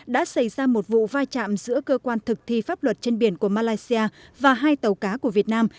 đã xảy ra một vụ vai trạm giữa cơ quan thực thi pháp luật trên biển của malaysia và hai tàu cá của việt nam